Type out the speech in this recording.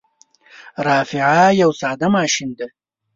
رافعه یو ساده ماشین دی.